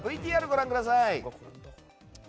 ＶＴＲご覧ください。